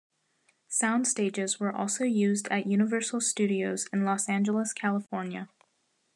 Sound stages were also used at Universal Studios in Los Angeles, California.